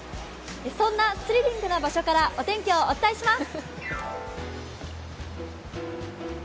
そんなスリリングな場所からお天気をお伝えします！